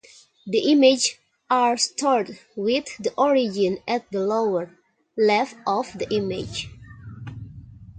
The images are stored with the origin at the lower left of the image.